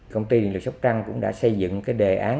công ty điện lực sóc trăng cũng đã xây dựng đề án